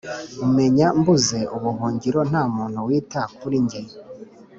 umenya Mbuze ubuhungiro nta muntu wita kurinjye